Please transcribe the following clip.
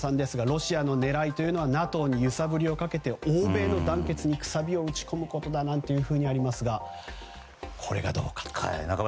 ロシアの狙いというのはＮＡＴＯに揺さぶりをかけて欧米の団結にくさびを打ち込むことだともありますが、これがどうなるか。